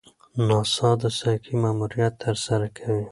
ناسا د سایکي ماموریت ترسره کوي.